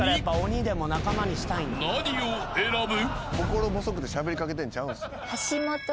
［何を選ぶ？］